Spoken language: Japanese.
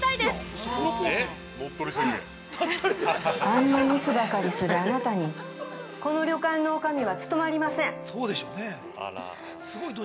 あんなミスばかりするあなたにこの旅館の女将は務まりません。